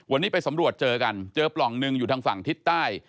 วันนี้ไปสำรวจเจอกันเจอปล่องหนึ่งอยู่ทางฝั่งทิศใต้